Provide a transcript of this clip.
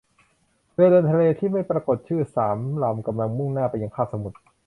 เรือเดินทะเลที่ไม่ปรากฏชื่อสามลำกำลังมุ่งหน้าไปยังคาบสมุทร